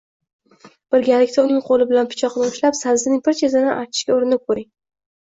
Birgalikda uning qo‘li bilan pichoqni ushlab sabzining bir chetini artishga urinib ko‘ring.